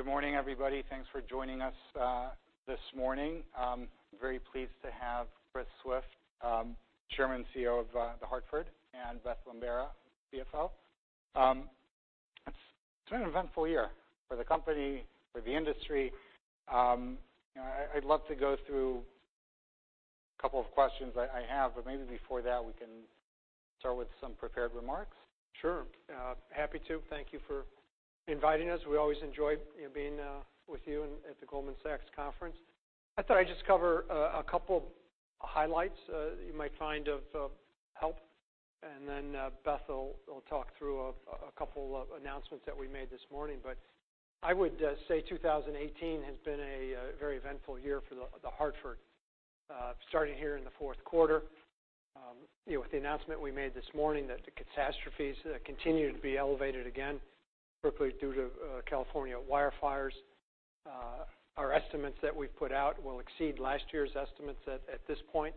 All right. Good morning, everybody. Thanks for joining us this morning. I'm very pleased to have Chris Swift, Chairman, CEO of The Hartford, and Beth Bombara, CFO. It's been an eventful year for the company, for the industry. I'd love to go through a couple of questions I have. Maybe before that, we can start with some prepared remarks. Sure. Happy to. Thank you for inviting us. We always enjoy being with you at the Goldman Sachs conference. I thought I'd just cover a couple highlights you might find of help, and then Beth will talk through a couple of announcements that we made this morning. I would say 2018 has been a very eventful year for The Hartford. Starting here in the fourth quarter, with the announcement we made this morning that the catastrophes continue to be elevated again, particularly due to California wildfires. Our estimates that we've put out will exceed last year's estimates at this point.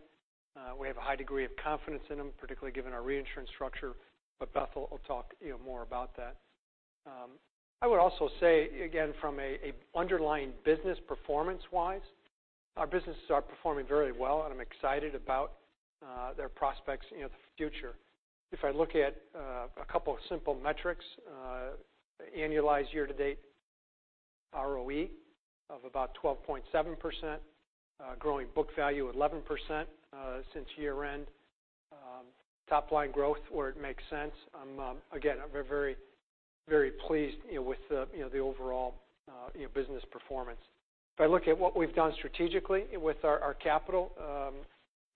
We have a high degree of confidence in them, particularly given our reinsurance structure, but Beth will talk more about that. I would also say, again, from an underlying business performance-wise, our businesses are performing very well and I'm excited about their prospects in the future. If I look at a couple of simple metrics, annualized year-to-date ROE of about 12.7%, growing book value at 11% since year-end. Top line growth where it makes sense. Again, I'm very pleased with the overall business performance. If I look at what we've done strategically with our capital,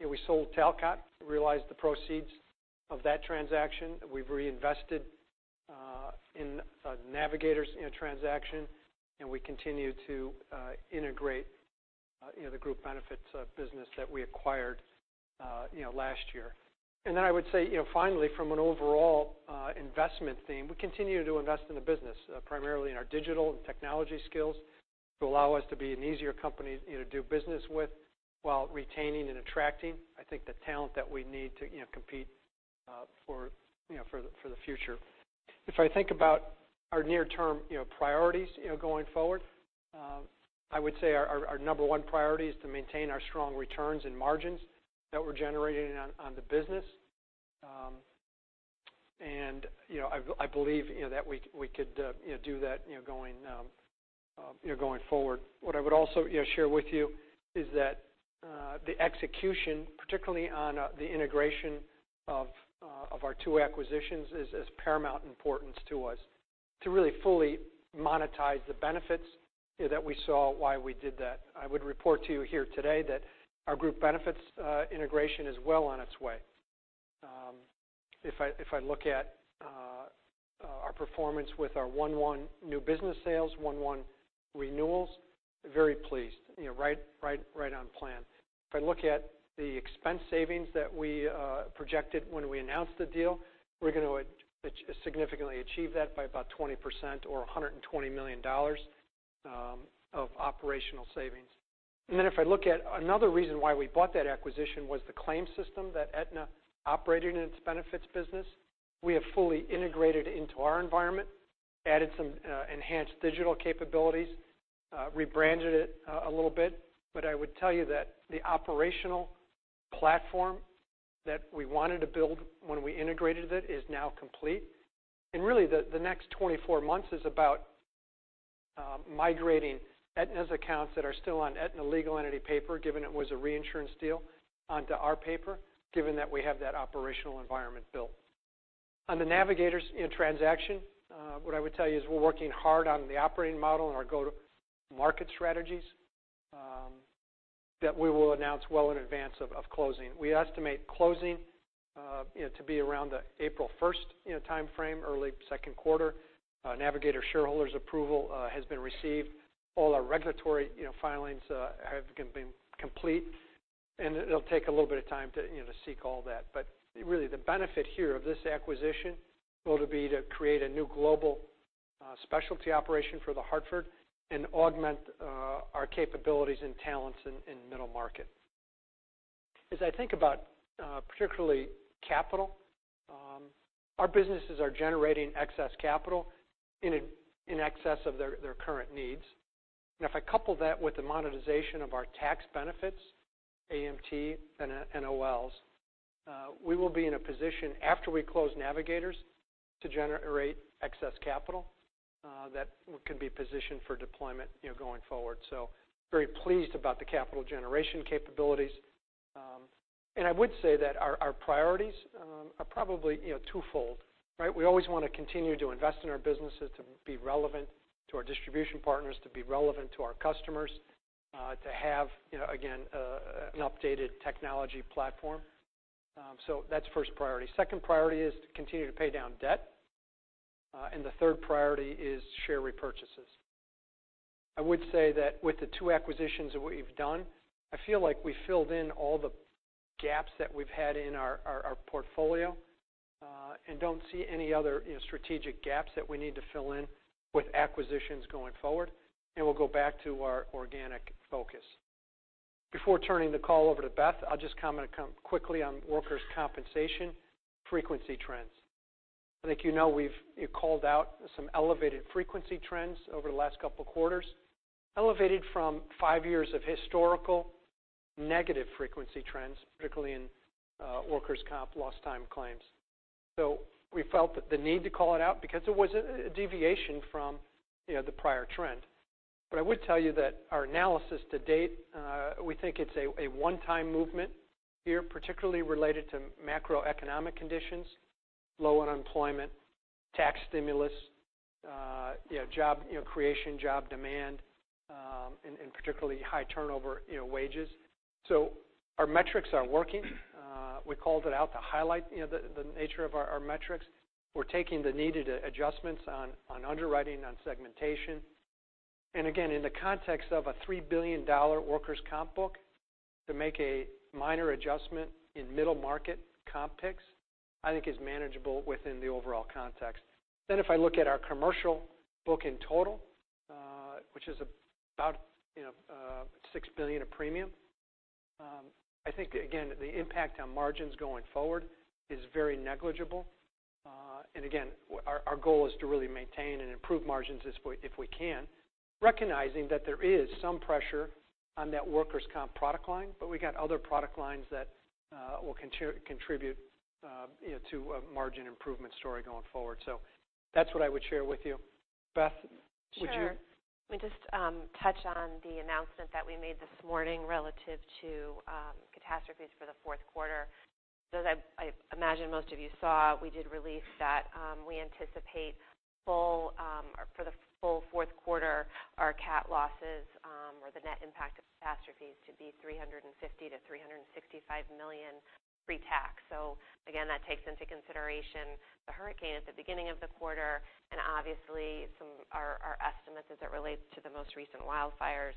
we sold Talcott, realized the proceeds of that transaction. We've reinvested in Navigators transaction. We continue to integrate the group benefits business that we acquired last year. I would say, finally, from an overall investment theme, we continue to invest in the business, primarily in our digital and technology skills to allow us to be an easier company to do business with while retaining and attracting, I think, the talent that we need to compete for the future. If I think about our near-term priorities going forward, I would say our number one priority is to maintain our strong returns and margins that we're generating on the business. I believe that we could do that going forward. What I would also share with you is that the execution, particularly on the integration of our two acquisitions, is paramount importance to us to really fully monetize the benefits that we saw why we did that. I would report to you here today that our group benefits integration is well on its way. If I look at our performance with our one/one new business sales, one/one renewals, very pleased. Right on plan. If I look at the expense savings that we projected when we announced the deal, we're going to significantly achieve that by about 20% or $120 million of operational savings. If I look at another reason why we bought that acquisition was the claim system that Aetna operated in its benefits business. We have fully integrated into our environment, added some enhanced digital capabilities, rebranded it a little bit. I would tell you that the operational platform that we wanted to build when we integrated it is now complete. Really, the next 24 months is about migrating Aetna's accounts that are still on Aetna legal entity paper, given it was a reinsurance deal, onto our paper, given that we have that operational environment built. On the Navigators transaction, what I would tell you is we're working hard on the operating model and our go-to-market strategies that we will announce well in advance of closing. We estimate closing to be around the April 1st timeframe, early second quarter. Navigators shareholders' approval has been received. All our regulatory filings have been complete, it'll take a little bit of time to seek all that. Really, the benefit here of this acquisition will be to create a new global specialty operation for The Hartford and augment our capabilities and talents in middle market. As I think about particularly capital, our businesses are generating excess capital in excess of their current needs. If I couple that with the monetization of our tax benefits, AMT and NOLs, we will be in a position after we close Navigators to generate excess capital that can be positioned for deployment going forward. Very pleased about the capital generation capabilities. I would say that our priorities are probably twofold. We always want to continue to invest in our businesses to be relevant to our distribution partners, to be relevant to our customers, to have, again, an updated technology platform. That's first priority. Second priority is to continue to pay down debt. The third priority is share repurchases. I would say that with the two acquisitions that we've done, I feel like we filled in all the gaps that we've had in our portfolio and don't see any other strategic gaps that we need to fill in with acquisitions going forward. We'll go back to our organic focus. Before turning the call over to Beth, I'll just comment quickly on workers' compensation frequency trends. I think you know we've called out some elevated frequency trends over the last couple of quarters, elevated from five years of historical negative frequency trends, particularly in workers' comp lost time claims. We felt the need to call it out because it was a deviation from the prior trend. I would tell you that our analysis to date, we think it's a one-time movement here, particularly related to macroeconomic conditions, low unemployment, tax stimulus, job creation, job demand, and particularly high turnover wages. Our metrics are working. We called it out to highlight the nature of our metrics. We're taking the needed adjustments on underwriting, on segmentation. Again, in the context of a $3 billion workers' comp book, to make a minor adjustment in middle-market comp picks, I think is manageable within the overall context. If I look at our commercial book in total, which is about $6 billion of premium. I think, again, the impact on margins going forward is very negligible. Again, our goal is to really maintain and improve margins if we can, recognizing that there is some pressure on that workers' comp product line, we got other product lines that will contribute to a margin improvement story going forward. That's what I would share with you. Beth, would you- Sure. Let me just touch on the announcement that we made this morning relative to catastrophes for the fourth quarter. As I imagine most of you saw, we did release that we anticipate for the full fourth quarter, our cat losses, or the net impact of catastrophes, to be $350 million-$365 million pre-tax. Again, that takes into consideration the hurricane at the beginning of the quarter and obviously our estimates as it relates to the most recent wildfires.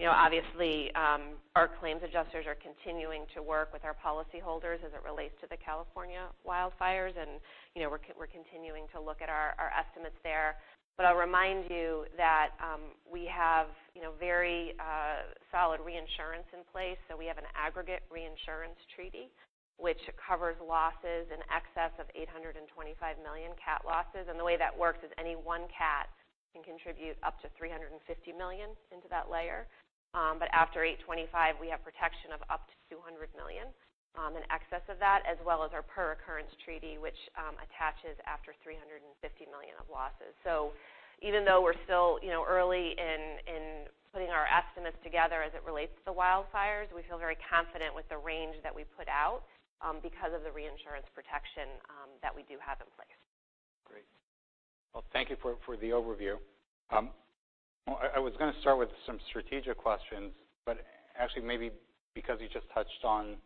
Obviously, our claims adjusters are continuing to work with our policyholders as it relates to the California wildfires, and we're continuing to look at our estimates there. I'll remind you that we have very solid reinsurance in place. We have an aggregate reinsurance treaty, which covers losses in excess of $825 million cat losses. The way that works is any one cat can contribute up to $350 million into that layer. After $825 million, we have protection of up to $200 million in excess of that, as well as our per occurrence treaty, which attaches after $350 million of losses. Even though we're still early in putting our estimates together as it relates to wildfires, we feel very confident with the range that we put out because of the reinsurance protection that we do have in place. Great. Well, thank you for the overview. I was going to start with some strategic questions, actually, maybe because you just touched on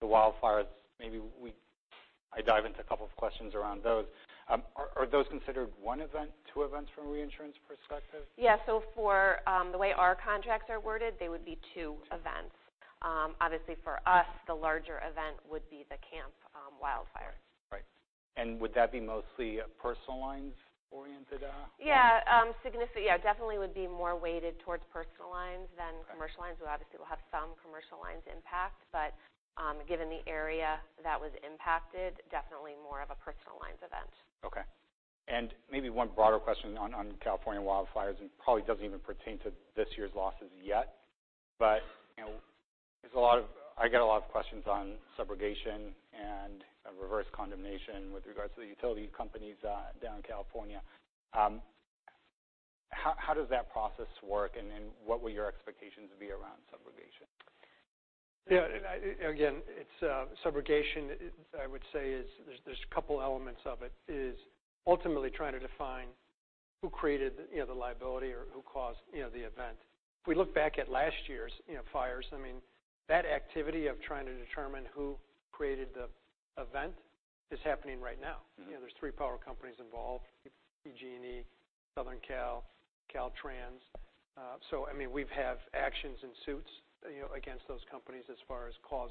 the wildfires, maybe I dive into a couple of questions around those. Are those considered one event, two events from a reinsurance perspective? Yeah. For the way our contracts are worded, they would be two events. Obviously, for us, the larger event would be the Camp Fire. Right. Would that be mostly personal lines oriented? Yeah. Definitely would be more weighted towards personal lines than commercial lines. We obviously will have some commercial lines impact, but given the area that was impacted, definitely more of a personal lines event. Okay. Maybe one broader question on California wildfires, and probably doesn't even pertain to this year's losses yet, but I get a lot of questions on subrogation and inverse condemnation with regards to the utility companies down in California. How does that process work, and what will your expectations be around subrogation? Subrogation, I would say there's a couple elements of it, is ultimately trying to define who created the liability or who caused the event. If we look back at last year's fires, that activity of trying to determine who created the event is happening right now. There's three power companies involved, PG&E, Southern Cal, Caltrans. We've have actions and suits against those companies as far as cause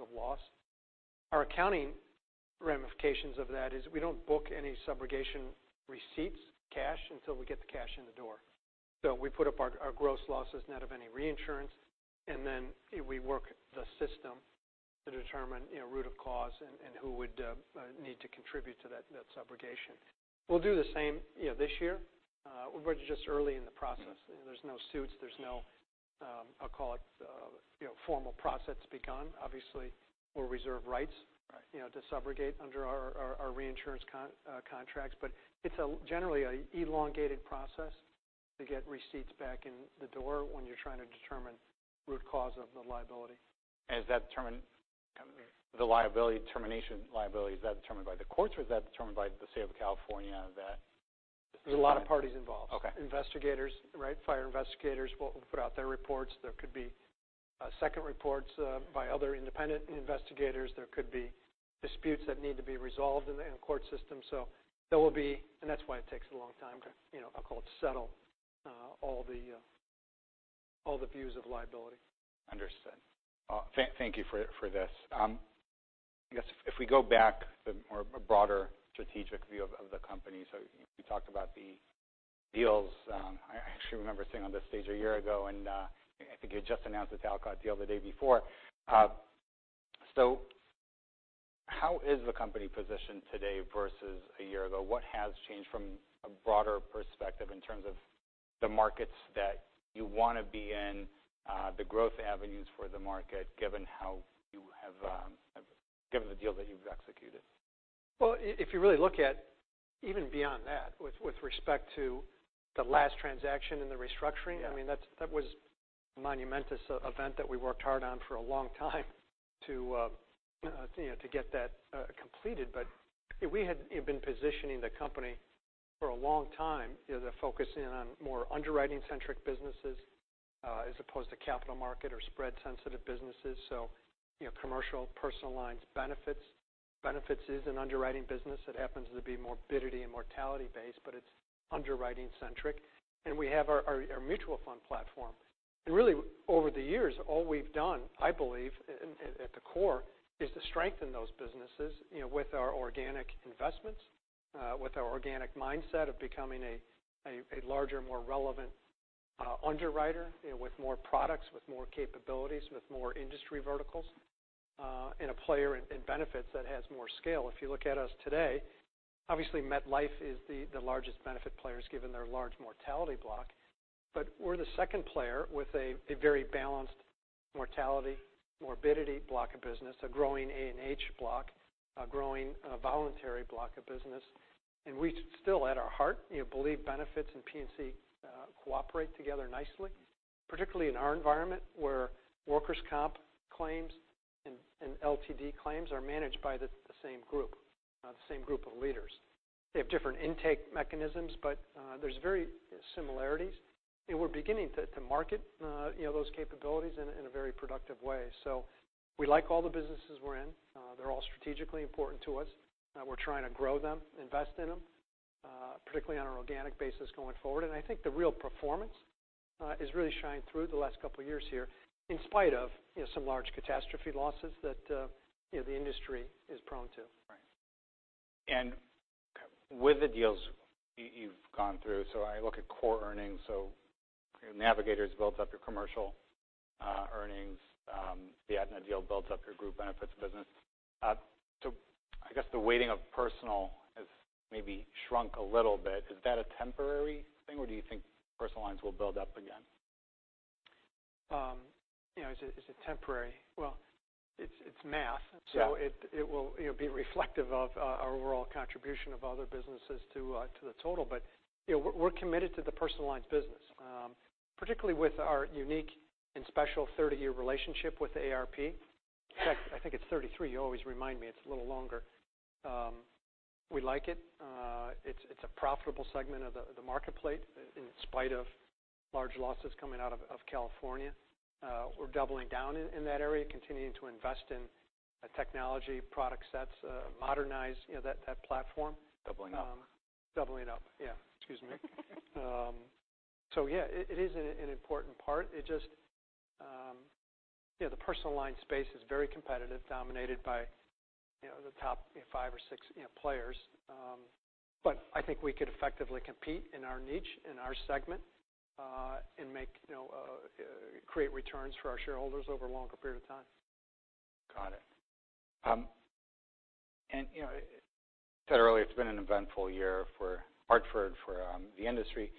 of loss. Our accounting ramifications of that is we don't book any subrogation receipts cash until we get the cash in the door. We put up our gross losses net of any reinsurance, and then we work the system to determine root of cause and who would need to contribute to that subrogation. We'll do the same this year. We're just early in the process. There's no suits. There's no, I'll call it, formal process begun. Obviously, we'll reserve rights to subrogate under our reinsurance contracts. It's generally an elongated process to get receipts back in the door when you're trying to determine root cause of the liability. The liability determination, is that determined by the courts, or is that determined by the state of California? There's a lot of parties involved. Okay. Investigators. Fire investigators will put out their reports. There could be second reports by other independent investigators. There could be disputes that need to be resolved in the court system. There will be, and that's why it takes a long time to, I'll call it settle all the views of liability. Understood. Thank you for this. I guess if we go back to more of a broader strategic view of the company. You talked about the deals. I actually remember sitting on this stage a year ago, and I think you had just announced the Talcott deal the day before. How is the company positioned today versus a year ago? What has changed from a broader perspective in terms of the markets that you want to be in, the growth avenues for the market, given the deal that you've executed? Well, if you really look at even beyond that, with respect to the last transaction and the restructuring. Yeah That was a momentous event that we worked hard on for a long time to get that completed. We had been positioning the company for a long time to focus in on more underwriting-centric businesses as opposed to capital market or spread-sensitive businesses. Commercial personal lines benefits. Benefits is an underwriting business. It happens to be morbidity and mortality based, but it's underwriting centric. We have our mutual fund platform. Really, over the years, all we've done, I believe, at the core, is to strengthen those businesses with our organic investments, with our organic mindset of becoming a larger, more relevant underwriter with more products, with more capabilities, with more industry verticals, and a player in benefits that has more scale. If you look at us today, obviously MetLife is the largest benefit players given their large mortality block. We're the second player with a very balanced mortality, morbidity block of business, a growing A&H block, a growing voluntary block of business. We still, at our heart, believe benefits and P&C cooperate together nicely, particularly in our environment where workers' comp claims and LTD claims are managed by the same group of leaders. They have different intake mechanisms, but there's similarities. We're beginning to market those capabilities in a very productive way. We like all the businesses we're in. They're all strategically important to us. We're trying to grow them, invest in them, particularly on an organic basis going forward. I think the real performance is really shining through the last couple of years here, in spite of some large catastrophe losses that the industry is prone to. Right. With the deals you've gone through, I look at core earnings. Navigators builds up your commercial earnings. The Aetna deal builds up your group benefits business. I guess the weighting of personal has maybe shrunk a little bit. Is that a temporary thing, or do you think personal lines will build up again? Is it temporary? Well, it's math. Yeah. It will be reflective of our overall contribution of other businesses to the total. We're committed to the personal lines business, particularly with our unique and special 30-year relationship with AARP. In fact, I think it's 33. You always remind me it's a little longer. We like it. It's a profitable segment of the market plate in spite of large losses coming out of California. We're doubling down in that area, continuing to invest in technology product sets, modernize that platform. Doubling up. Doubling up. Yeah. Excuse me. Yeah, it is an important part. The personal line space is very competitive, dominated by the top five or six players. I think we could effectively compete in our niche, in our segment, and create returns for our shareholders over a longer period of time. Got it. You said earlier, it's been an eventful year for Hartford, for the industry.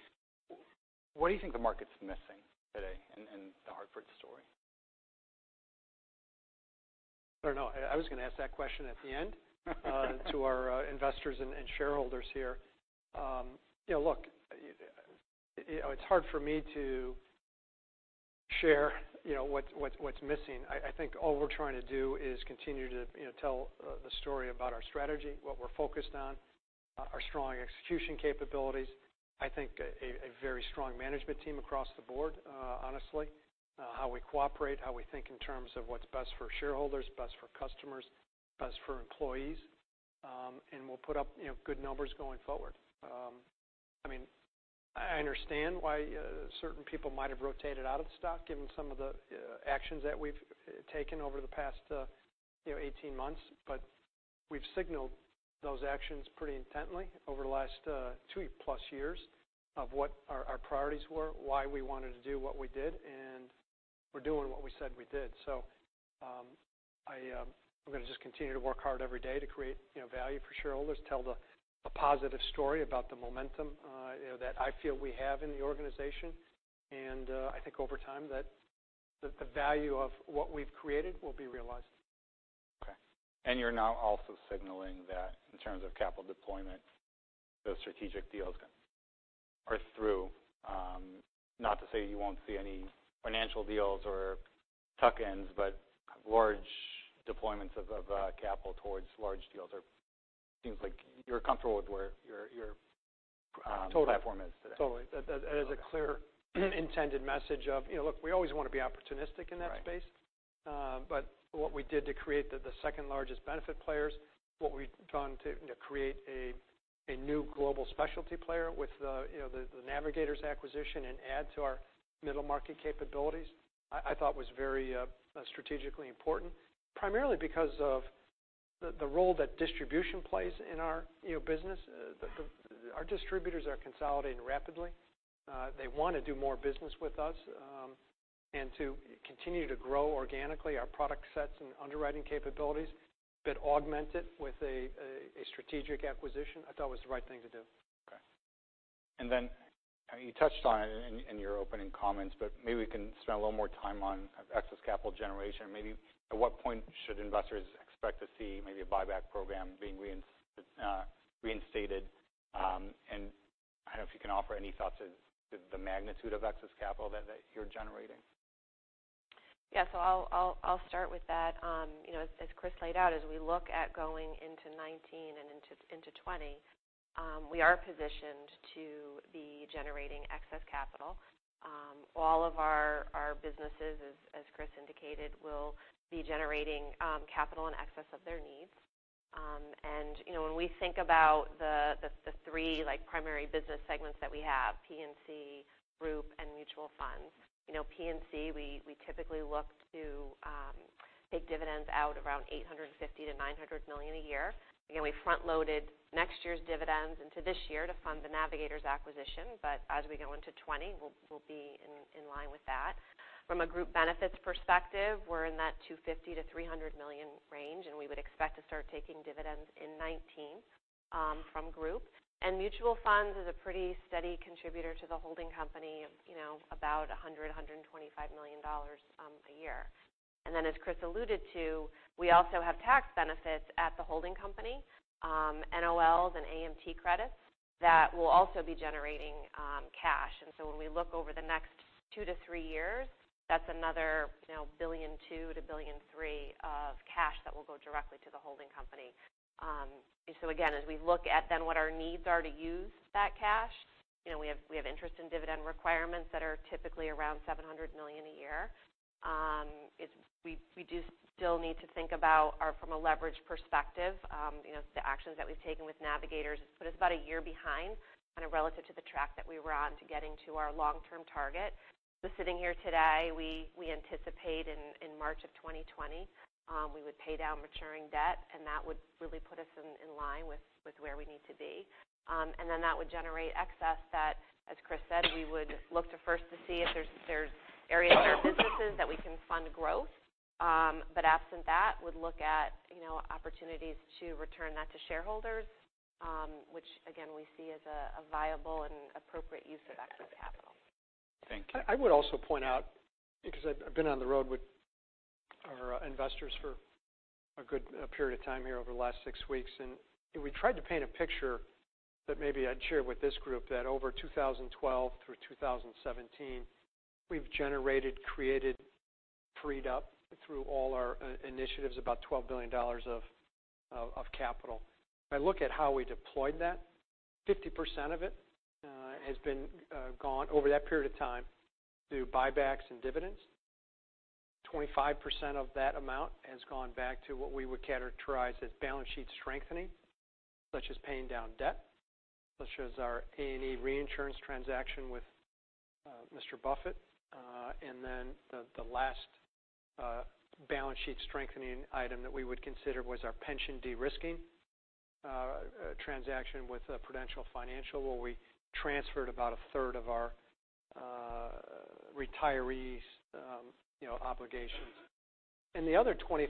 What do you think the market's missing today in The Hartford story? I don't know. I was going to ask that question at the end to our investors and shareholders here. Look, it's hard for me to share what's missing. I think all we're trying to do is continue to tell the story about our strategy, what we're focused on, our strong execution capabilities. I think a very strong management team across the board, honestly, how we cooperate, how we think in terms of what's best for shareholders, best for customers, best for employees, and we'll put up good numbers going forward. I understand why certain people might have rotated out of the stock given some of the actions that we've taken over the past 18 months, we've signaled those actions pretty intently over the last two plus years of what our priorities were, why we wanted to do what we did, and we're doing what we said we did. We're going to just continue to work hard every day to create value for shareholders, tell a positive story about the momentum that I feel we have in the organization. I think over time that the value of what we've created will be realized. Okay. You're now also signaling that in terms of capital deployment, those strategic deals are through. Not to say you won't see any financial deals or tuck-ins, but large deployments of capital towards large deals are, seems like you're comfortable with where your. Totally platform is today. Totally. That is a clear intended message of, look, we always want to be opportunistic in that space. Right. What we did to create the second largest benefit players, what we've done to create a new global specialty player with the Navigators acquisition and add to our middle market capabilities, I thought was very strategically important, primarily because of the role that distribution plays in our business. Our distributors are consolidating rapidly. They want to do more business with us. To continue to grow organically our product sets and underwriting capabilities, but augment it with a strategic acquisition, I thought was the right thing to do. Okay. You touched on it in your opening comments, but maybe we can spend a little more time on excess capital generation. At what point should investors expect to see maybe a buyback program being reinstated? I don't know if you can offer any thoughts as to the magnitude of excess capital that you're generating. Yeah. I'll start with that. As Chris laid out, as we look at going into 2019 and into 2020, we are positioned to be generating excess capital. All of our businesses, as Chris indicated, will be generating capital in excess of their needs. When we think about the three primary business segments that we have, P&C, group, and mutual funds. P&C, we typically look to take dividends out around $850 million-$900 million a year. Again, we front-loaded next year's dividends into this year to fund the Navigators acquisition. As we go into 2020, we'll be in line with that. From a group benefits perspective, we're in that $250 million-$300 million range, and we would expect to start taking dividends in 2019 from group. Mutual funds is a pretty steady contributor to the holding company of about $100 million-$125 million a year. As Chris alluded to, we also have tax benefits at the holding company, NOLs and AMT credits, that will also be generating cash. When we look over the next 2-3 years, that's another $1.2 billion-$1.3 billion of cash that will go directly to the holding company. Again, as we look at then what our needs are to use that cash, we have interest in dividend requirements that are typically around $700 million a year. We do still need to think about from a leverage perspective the actions that we've taken with Navigators has put us about a year behind kind of relative to the track that we were on to getting to our long-term target. Sitting here today, we anticipate in March of 2020, we would pay down maturing debt, and that would really put us in line with where we need to be. That would generate excess that, as Chris Swift said, we would look to first to see if there's areas of our businesses that we can fund growth. Absent that, would look at opportunities to return that to shareholders, which again, we see as a viable and appropriate use of excess capital. Thank you. I would also point out, because I've been on the road with our investors for a good period of time here over the last six weeks, and we tried to paint a picture that maybe I'd share with this group, that over 2012 through 2017, we've generated, created, freed up through all our initiatives about $12 billion of capital. If I look at how we deployed that, 50% of it has been gone over that period of time through buybacks and dividends. 25% of that amount has gone back to what we would characterize as balance sheet strengthening, such as paying down debt, such as our A&E reinsurance transaction with Warren Buffett. The last balance sheet strengthening item that we would consider was our pension de-risking transaction with Prudential Financial, where we transferred about a third of our retirees' obligations. The other 25%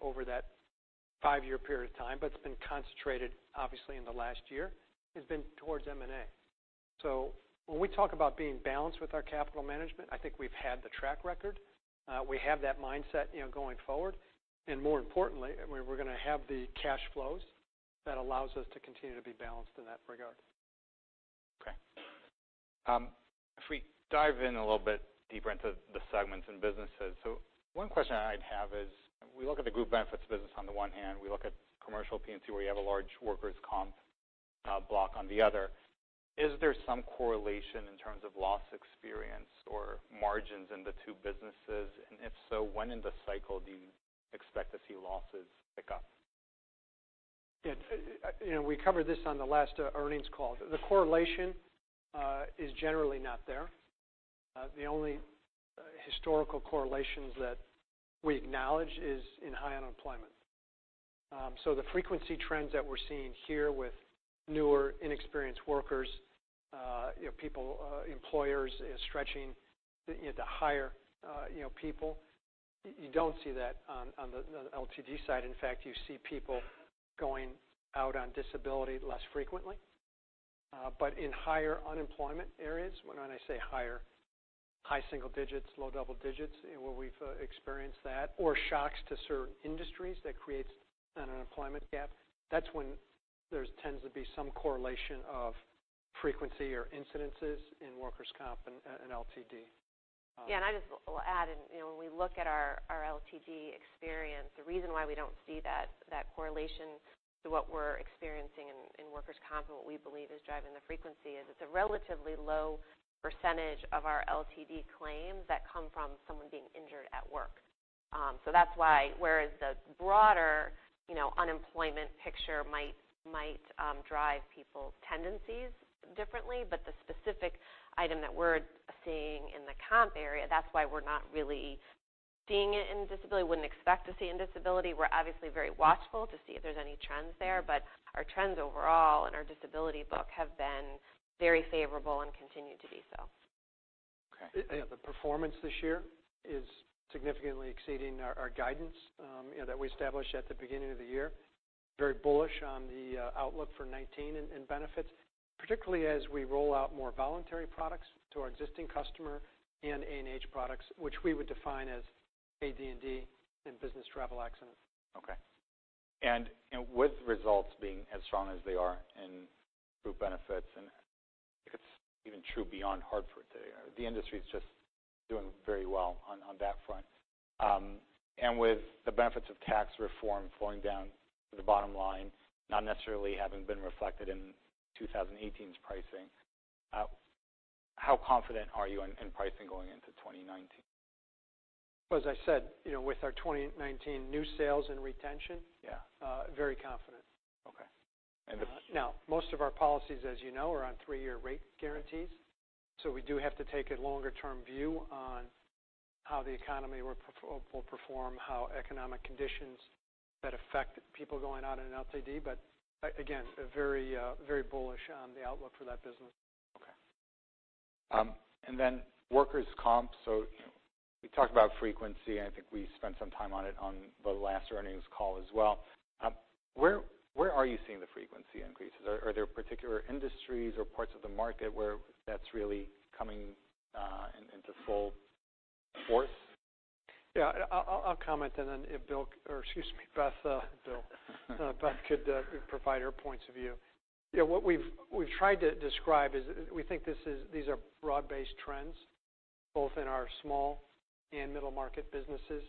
over that five-year period of time, but it's been concentrated obviously in the last year, has been towards M&A. When we talk about being balanced with our capital management, I think we've had the track record. We have that mindset going forward. More importantly, we're going to have the cash flows that allows us to continue to be balanced in that regard. If we dive in a little bit deeper into the segments and businesses, one question I'd have is, we look at the group benefits business on the one hand, we look at commercial P&C, where you have a large workers' comp block on the other. Is there some correlation in terms of loss experience or margins in the two businesses? If so, when in the cycle do you expect to see losses pick up? Yeah. We covered this on the last earnings call. The correlation is generally not there. The only historical correlations that we acknowledge is in high unemployment. The frequency trends that we're seeing here with newer, inexperienced workers, employers stretching to hire people, you don't see that on the LTD side. In fact, you see people going out on disability less frequently. In higher unemployment areas, when I say higher, high single digits, low double digits where we've experienced that, or shocks to certain industries that creates an unemployment gap, that's when there tends to be some correlation of frequency or incidences in workers' comp and LTD. Yeah, I just will add in, when we look at our LTD experience, the reason why we don't see that correlation to what we're experiencing in workers' comp and what we believe is driving the frequency is it's a relatively low % of our LTD claims that come from someone being injured at work. That's why, whereas the broader unemployment picture might drive people's tendencies differently, the specific item that we're seeing in the comp area, that's why we're not really seeing it in disability, wouldn't expect to see it in disability. We're obviously very watchful to see if there's any trends there, our trends overall and our disability book have been very favorable and continue to be so. Okay. The performance this year is significantly exceeding our guidance that we established at the beginning of the year. Very bullish on the outlook for 2019 in benefits, particularly as we roll out more voluntary products to our existing customer and A&H products, which we would define as AD&D and business travel accident. Okay. With results being as strong as they are in group benefits, I think it's even true beyond The Hartford today. The industry's just doing very well on that front. With the benefits of tax reform flowing down to the bottom line, not necessarily having been reflected in 2018's pricing, how confident are you in pricing going into 2019? As I said, with our 2019 new sales and retention- Yeah very confident. Okay. Most of our policies, as you know, are on three-year rate guarantees. We do have to take a longer-term view on how the economy will perform, how economic conditions that affect people going out in LTD. Again, very bullish on the outlook for that business. Okay. Workers' comp. We talked about frequency, and I think we spent some time on it on the last earnings call as well. Where are you seeing the frequency increases? Are there particular industries or parts of the market where that's really coming into full force? Yeah. I'll comment, and then if Bill, or excuse me, Beth, Bill. Beth could provide her points of view. What we've tried to describe is we think these are broad-based trends, both in our small and middle-market businesses,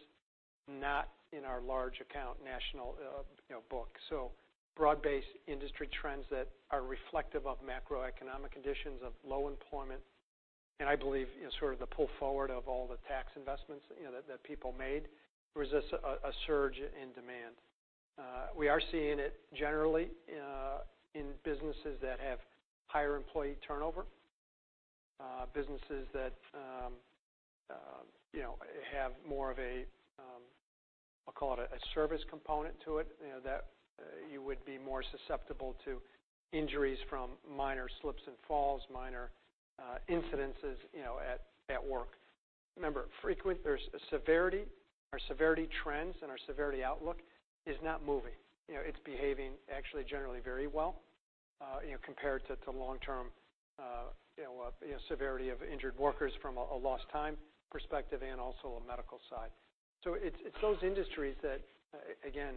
not in our large account national book. Broad-based industry trends that are reflective of macroeconomic conditions of low employment, and I believe, the pull forward of all the tax investments that people made resists a surge in demand. We are seeing it generally in businesses that have higher employee turnover, businesses that have more of a, I'll call it, a service component to it, that you would be more susceptible to injuries from minor slips and falls, minor incidences at work. Remember, frequent, there's a severity. Our severity trends and our severity outlook is not moving. It's behaving actually generally very well compared to long-term severity of injured workers from a lost time perspective and also a medical side. It's those industries that, again,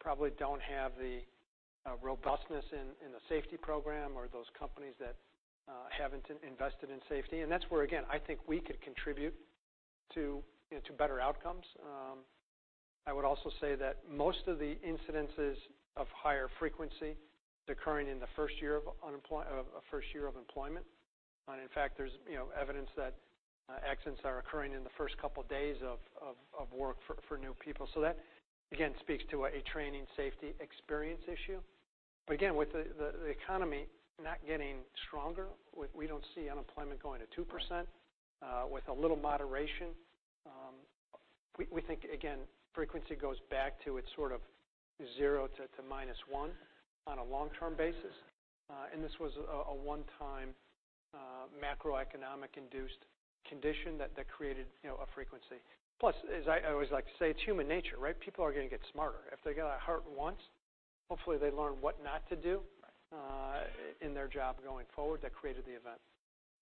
probably don't have the robustness in the safety program or those companies that haven't invested in safety. That's where, again, I think we could contribute to better outcomes. I would also say that most of the incidences of higher frequency occurring in the first year of employment. In fact, there's evidence that accidents are occurring in the first couple of days of work for new people. That, again, speaks to a training safety experience issue. Again, with the economy not getting stronger, we don't see unemployment going to 2%. With a little moderation, we think, again, frequency goes back to its sort of zero to minus one on a long-term basis. this was a one-time macroeconomic induced condition that created a frequency. Plus, as I always like to say, it's human nature, right? People are going to get smarter. If they get a heart once, hopefully they learn what not to do- Right in their job going forward that created the event.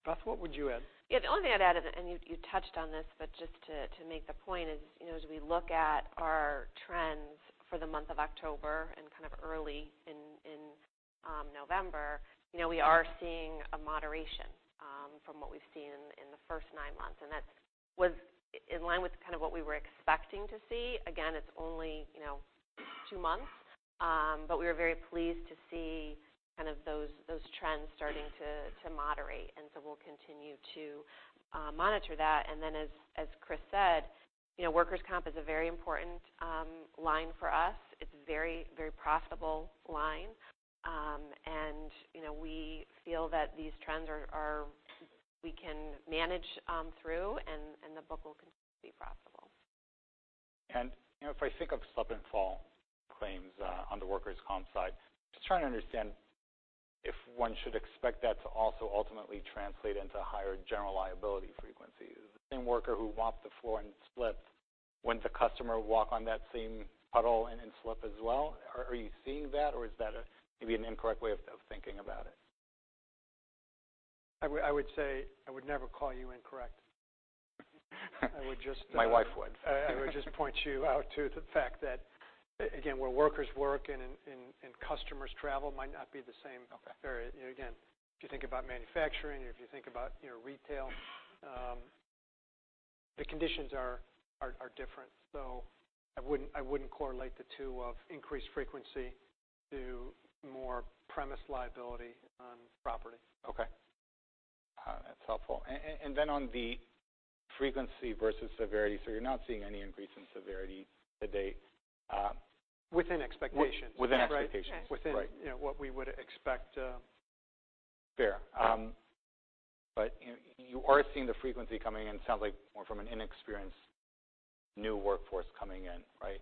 Beth, what would you add? Yeah, the only thing I'd add, you touched on this, but just to make the point is, as we look at our trends for the month of October and kind of early in November, we are seeing a moderation from what we've seen in the first nine months, that was in line with kind of what we were expecting to see. Again, it's only two months, but we are very pleased to see those trends starting to moderate. So we'll continue to monitor that. Then as Chris said, workers' comp is a very important line for us. It's a very profitable line. We feel that these trends we can manage through and the book will continue to be profitable. If I think of slip and fall claims on the workers' comp side, just trying to understand if one should expect that to also ultimately translate into higher general liability frequencies. The same worker who walks the floor and slips, wouldn't the customer walk on that same puddle and slip as well? Are you seeing that, or is that maybe an incorrect way of thinking about it? I would say I would never call you incorrect. My wife would. I would just point you out to the fact that, again, where workers work and customers travel might not be the same area. Okay Again, if you think about manufacturing, if you think about retail, the conditions are different. I wouldn't correlate the two of increased frequency to more premise liability on property. Okay. That's helpful. On the frequency versus severity, you're not seeing any increase in severity to date? Within expectations. Within expectations. Right. Right. Within what we would expect. Fair. You are seeing the frequency coming in, sounds like more from an inexperienced new workforce coming in, right?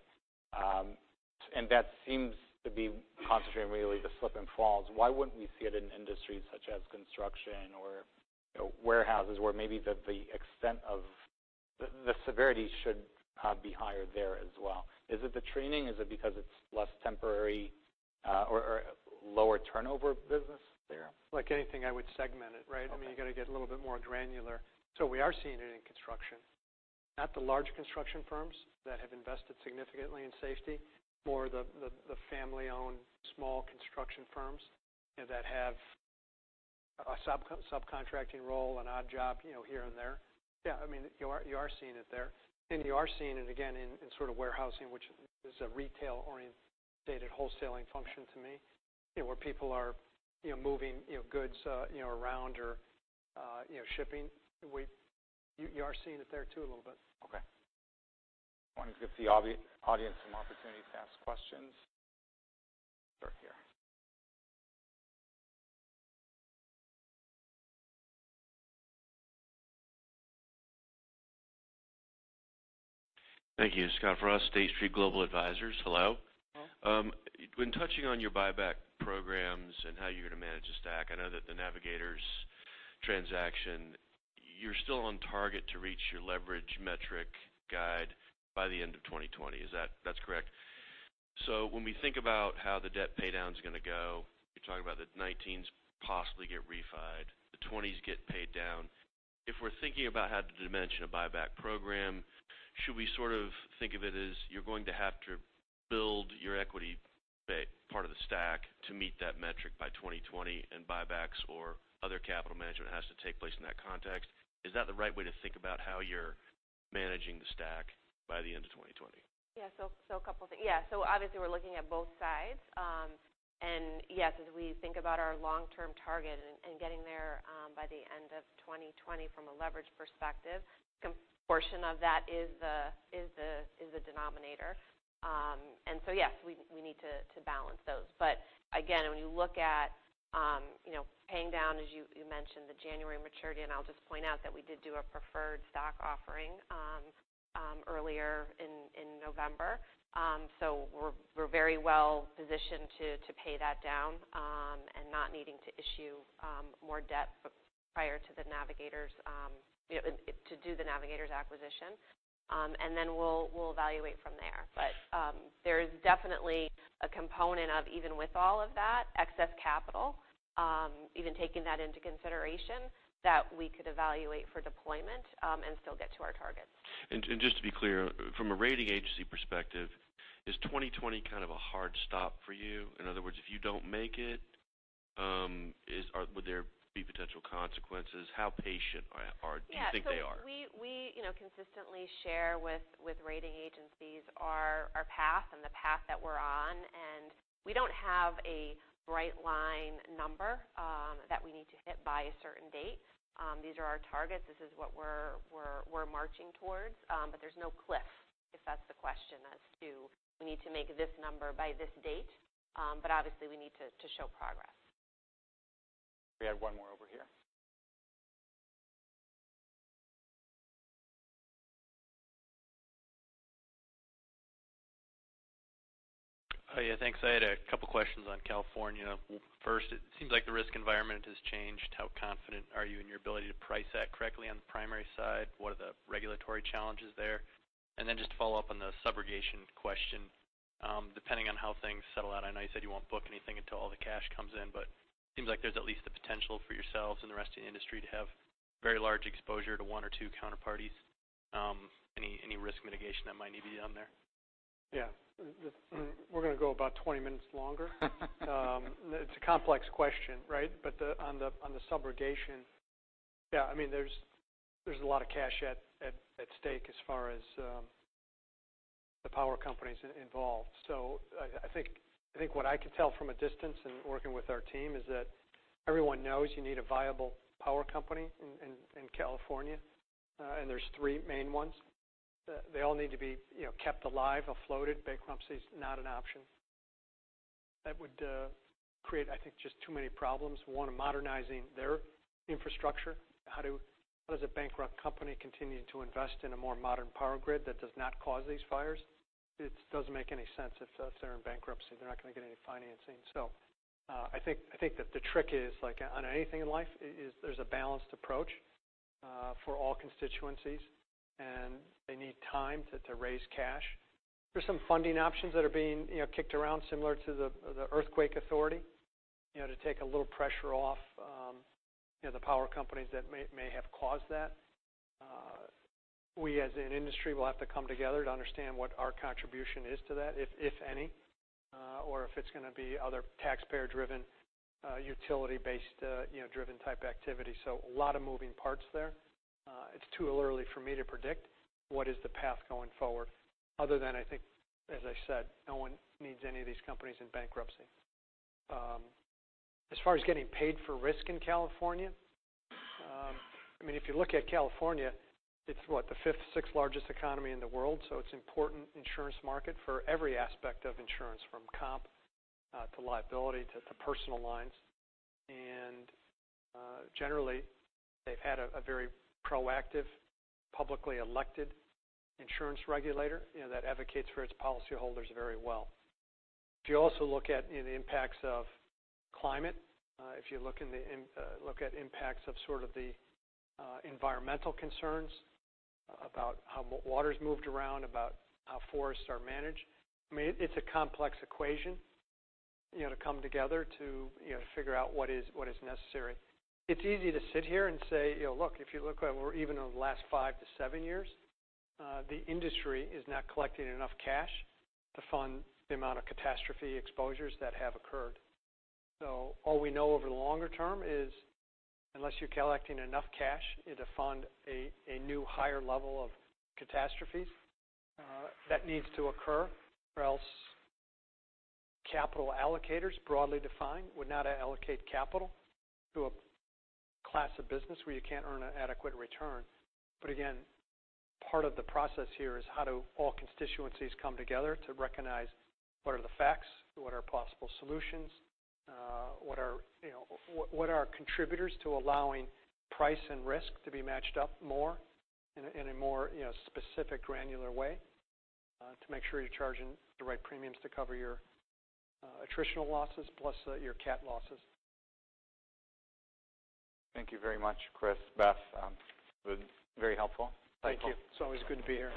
That seems to be concentrating really the slip and falls. Why wouldn't we see it in industries such as construction or warehouses where maybe the severity should be higher there as well? Is it the training? Is it because it's less temporary or lower turnover business there? Like anything, I would segment it, right? Okay. You've got to get a little bit more granular. We are seeing it in construction. Not the large construction firms that have invested significantly in safety. More the family-owned small construction firms that have a subcontracting role, an odd job here and there. Yeah, you are seeing it there, and you are seeing it again in warehousing, which is a retail-oriented wholesaling function to me, where people are moving goods around or shipping. You are seeing it there too, a little bit. Okay. Wanting to give the audience some opportunities to ask questions. Start here. Thank you. Scott Frost, State Street Global Advisors. Hello. Hello. When touching on your buyback programs and how you're going to manage the stack, I know that the Navigators transaction, you're still on target to reach your leverage metric guide by the end of 2020. That's correct? When we think about how the debt paydown's going to go, you're talking about the 2019s possibly get refied, the 2020s get paid down. If we're thinking about how to dimension a buyback program, should we think of it as you're going to have to build your equity part of the stack to meet that metric by 2020 and buybacks or other capital management has to take place in that context? Is that the right way to think about how you're managing the stack by the end of 2020? A couple things. Obviously we're looking at both sides. Yes, as we think about our long-term target and getting there by the end of 2020 from a leverage perspective, a portion of that is the denominator. Yes, we need to balance those. Again, when you look at paying down, as you mentioned, the January maturity, I'll just point out that we did do a preferred stock offering earlier in November. We're very well positioned to pay that down and not needing to issue more debt prior to do the Navigators acquisition. Then we'll evaluate from there. There is definitely a component of, even with all of that excess capital, even taking that into consideration, that we could evaluate for deployment and still get to our targets. Just to be clear, from a rating agency perspective, is 2020 kind of a hard stop for you? In other words, if you don't make it, would there be potential consequences? How patient do you think they are? We consistently share with rating agencies our path and the path that we're on. We don't have a bright line number that we need to hit by a certain date. These are our targets. This is what we're marching towards. There's no cliff, if that's the question as to we need to make this number by this date. Obviously we need to show progress. We had one more over here. Yeah, thanks. I had a couple questions on California. First, it seems like the risk environment has changed. How confident are you in your ability to price that correctly on the primary side? What are the regulatory challenges there? Then just to follow up on the subrogation question, depending on how things settle out, I know you said you won't book anything until all the cash comes in, but it seems like there's at least the potential for yourselves and the rest of the industry to have very large exposure to one or two counterparties. Any risk mitigation that might need to be done there? Yeah. We're going to go about 20 minutes longer. It's a complex question, right? On the subrogation, yeah, there's a lot of cash at stake as far as the power companies involved. I think what I can tell from a distance in working with our team is that everyone knows you need a viable power company in California. There's three main ones. They all need to be kept alive or floated. Bankruptcy's not an option. That would create, I think, just too many problems. One, modernizing their infrastructure. How does a bankrupt company continue to invest in a more modern power grid that does not cause these fires? It doesn't make any sense if they're in bankruptcy. They're not going to get any financing. I think that the trick is, on anything in life, there's a balanced approach for all constituencies, and they need time to raise cash. There's some funding options that are being kicked around similar to the California Earthquake Authority, to take a little pressure off the power companies that may have caused that. We, as an industry, will have to come together to understand what our contribution is to that, if any, or if it's going to be other taxpayer-driven, utility-based driven type activity. A lot of moving parts there. It's too early for me to predict what is the path going forward, other than I think, as I said, no one needs any of these companies in bankruptcy. As far as getting paid for risk in California, if you look at California, it's what? The fifth, sixth largest economy in the world, it's important insurance market for every aspect of insurance from comp to liability to personal lines. Generally, they've had a very proactive, publicly-elected insurance regulator that advocates for its policyholders very well. If you also look at the impacts of climate, if you look at impacts of the environmental concerns about how water is moved around, about how forests are managed, it's a complex equation to come together to figure out what is necessary. It's easy to sit here and say, "Look, if you look at where even the last five to seven years, the industry is not collecting enough cash to fund the amount of catastrophe exposures that have occurred." All we know over the longer term is unless you're collecting enough cash to fund a new higher level of catastrophes that needs to occur, or else capital allocators, broadly defined, would not allocate capital to a class of business where you can't earn an adequate return. Again, part of the process here is how do all constituencies come together to recognize what are the facts, what are possible solutions, what are contributors to allowing price and risk to be matched up more in a more specific granular way to make sure you're charging the right premiums to cover your attritional losses plus your cat losses. Thank you very much, Chris. Beth. It was very helpful. Thank you. It's always good to be here.